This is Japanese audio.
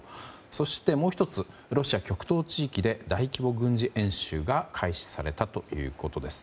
そして、もう１つロシア極東地域で大規模軍事演習が開始されたということです。